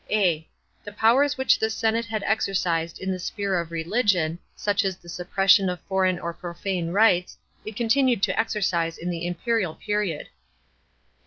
a. The powers which the senate had exercised in the sphere of religion, such as the suppression of foreign or profane rites, it con tinued to exercise in the imperial period.